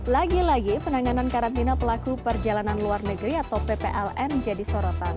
lagi lagi penanganan karantina pelaku perjalanan luar negeri atau ppln jadi sorotan